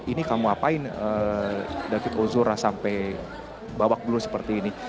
ini kamu apain david ozora sampai babak belu seperti ini